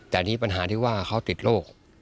แต่อันนี้ปัญหาที่ว่าเขาติดโรค